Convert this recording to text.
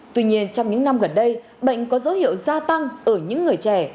tuy nhiên trong những năm gần đây bệnh có dấu hiệu gia tăng ở những người trẻ